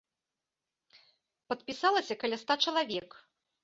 Падпісалася каля ста чалавек.